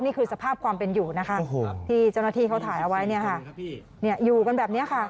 นี่คือสภาพความเป็นอยู่นะคะที่เจ้าหน้าที่เขาถ่ายเอาไว้เนี่ยค่ะอยู่กันแบบนี้ค่ะ